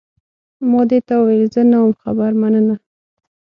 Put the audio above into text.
ما دې ته وویل، زه نه وم خبر، مننه.